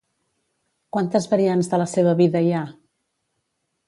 Quantes variants de la seva vida hi ha?